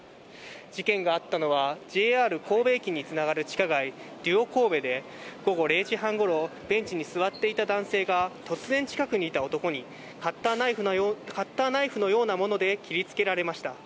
事件があったのは、ＪＲ神戸駅につながる地下街、デュオこうべで、午後０時半ごろ、ベンチに座っていた男性が突然近くにいた男に、カッターナイフのようなもので切りつけられました。